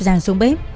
giang xuống bếp